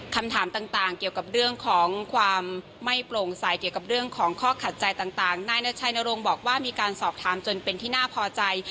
คำถามต่างเกี่ยวกับเรื่องของความไม่โปร่งใสเกี่ยวกับเรื่องของข้อขัดใจต่างนายนาชัยนรงค์บอกว่ามีการสอบถามจนเป็นที่น่าพอใจ